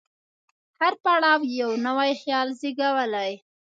هر پړاو یو نوی خیال زېږولی.